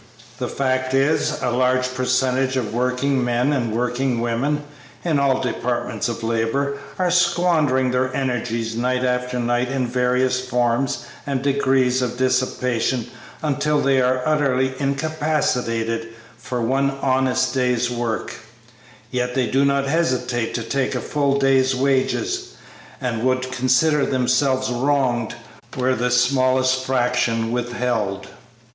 The fact is, a large percentage of working men and working women, in all departments of labor, are squandering their energies night after night in various forms and degrees of dissipation until they are utterly incapacitated for one honest day's work; yet they do not hesitate to take a full day's wages, and would consider themselves wronged were the smallest fraction withheld."